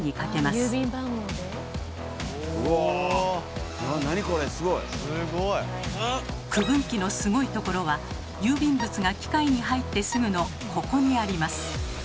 すごい！区分機のすごいところは郵便物が機械に入ってすぐのここにあります。